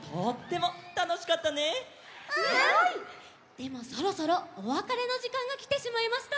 でもそろそろおわかれのじかんがきてしまいました。